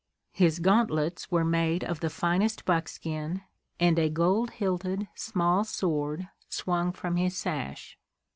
His gauntlets were made of the finest buckskin, and a gold hilted small sword swung from his sash.